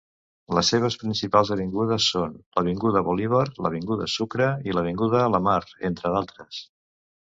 Les seves principals avingudes són l'Avinguda Bolívar, l’Avinguda Sucre i l’Avinguda La Mar, entre d'altres.